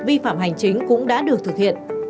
vi phạm hành chính cũng đã được thực hiện